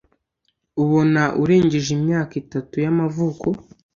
ubona urengeje imyaka itatu y’amavuko